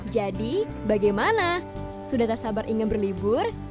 jadi bagaimana sudah tak sabar ingin berlibur